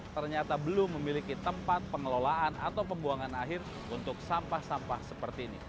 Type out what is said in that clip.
ternyata belum memiliki tempat pengelolaan atau pembuangan akhir untuk sampah sampah seperti ini